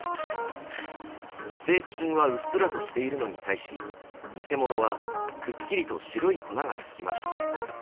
正規品はうっすらとしているのに対し偽物はくっきりと白い粉が付きました。